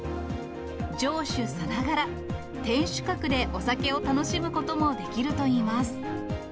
城主さながら、天守閣でお酒を楽しむこともできるといいます。